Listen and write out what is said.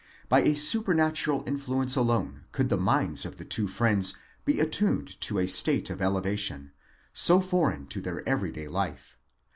By a super natural influence alone could the minds of the two friends be attuned toa state of elevation, so foreign to their every day life.